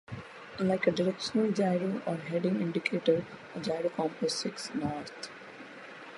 Unlike a directional gyro or heading indicator, a gyrocompass seeks north.